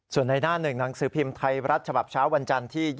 ส่วนในหน้าหนึ่งหนังสือพิมพ์ไทยรัฐฉบับเช้าวันจันทร์ที่๒